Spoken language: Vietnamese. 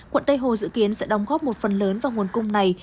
quận tây hồ dự kiến sẽ đóng góp một phần lớn vào nguồn cung này